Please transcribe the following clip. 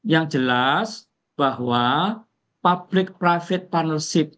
yang jelas bahwa public private partnership